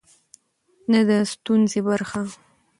نه د ستونزې برخه.